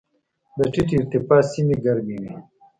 د ټیټې ارتفاع سیمې ګرمې وي.